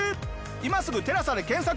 今すぐ「テラサ」で検索。